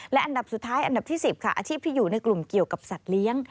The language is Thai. และอันดับสุดท้ายอันดับที่๑๐ค่ะอาชีพที่อยู่ในกลุ่มเกี่ยวกับสัตว์เลี้ยง